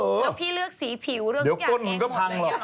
แล้วพี่เลือกสีผิวเลือกสิ่งอย่างเอง